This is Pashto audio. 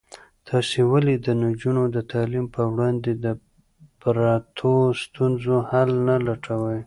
تاسې ولې د نجونو د تعلیم په وړاندې د پرتو ستونزو حل نه لټوئ؟